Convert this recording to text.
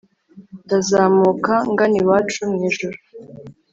Ndazamuka ngana iwacu mw’ijuru